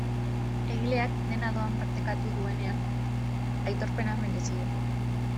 Egileak dena doan partekatu duenean aitorpena merezi du.